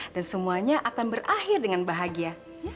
dan semuanya akan berakhir dengan bahagia